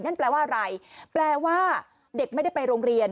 นั่นแปลว่าอะไรแปลว่าเด็กไม่ได้ไปโรงเรียน